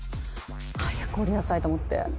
早く下りなさいと思って。